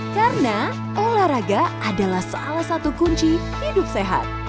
karena olahraga adalah salah satu kunci hidup sehat